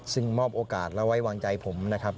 ซึ่งมอบโอกาสและไว้วางใจผมนะครับ